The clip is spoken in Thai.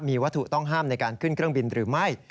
มีวัตถุต้องห้ามในการขึ้นเครื่องบินหรือไม่